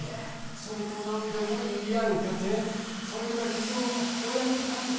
それとなんでも言い合う家庭それが理想の親子関係